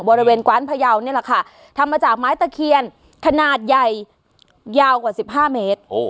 บริเวณกว้านพยาวนี่แหละค่ะทำมาจากไม้ตะเคียนขนาดใหญ่ยาวกว่าสิบห้าเมตรโอ้